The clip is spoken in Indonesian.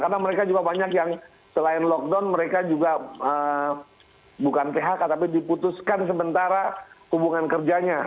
karena mereka juga banyak yang selain lockdown mereka juga bukan phk tapi diputuskan sementara hubungan kerjanya